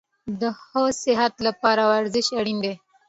د ښه صحت دپاره ورزش اړین ده